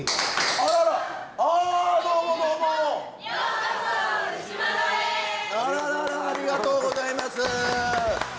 あらららありがとうございます！